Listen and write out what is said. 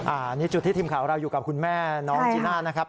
อันนี้จุดที่ทีมข่าวเราอยู่กับคุณแม่น้องจีน่านะครับ